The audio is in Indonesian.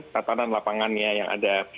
tatanan lapangannya yang ada